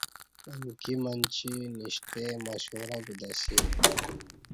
امکی منچی نشتے مشورہ کوتہ اسی